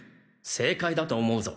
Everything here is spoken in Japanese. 正解だと思うぞ。